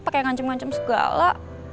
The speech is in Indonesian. pakai ngancem ngancem segala